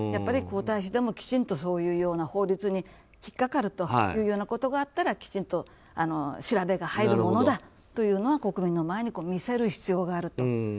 皇太子でもきちんとそういうような法律に引っかかるというようなことがあったらきちんと調べが入るものだと国民の前に見せる必要があると。